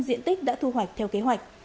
diện tích đã thu hoạch theo kế hoạch